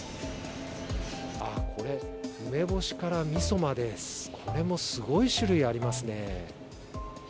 ああ、これ、梅干しからみそまで、これもすごい種類、ありますね。